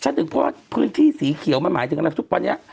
เช่นถึงก็เพื่อปืนที่สีเขียวเป็นหมายถึงอย่างนี้ล่ะทุกวันเนี้ย